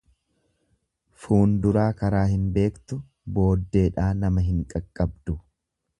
Fuunduraa karaa hin beektu, booddeedhaa nama hin qaqqabdu.